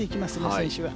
選手は。